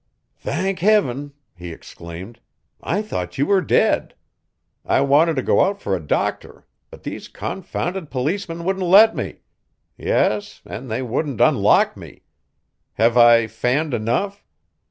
"Thank heaven!" he exclaimed. "I thought you were dead. I wanted to go out for a doctor, but these confounded policemen wouldn't let me yes, and they wouldn't unlock me. Have I fanned enough?